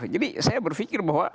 jadi saya berpikir bahwa